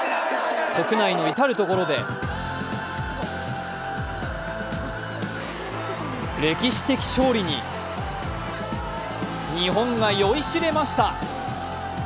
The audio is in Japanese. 国内の至る所で歴史的勝利に日本が酔いしれました。